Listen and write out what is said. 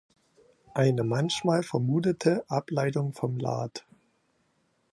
Eine manchmal vermutete Ableitung vom lat.